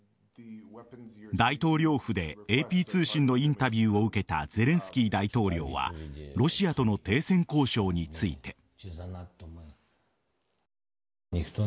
大統領府でＡＰ通信のインタビューを受けたゼレンスキー大統領はロシアとの停戦交渉について。